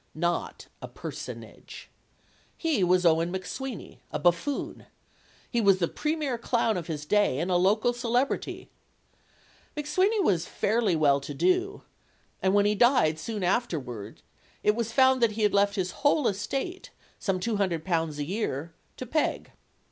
Not a "personage." He was Owen McSwinney, a buffoon. He was the premier clown of his day and a local celebrity. McSwinny was fairly well to do. And, when he died soon afterward, it was found that he had left his whole estate some two hundred pounds a year to Peg.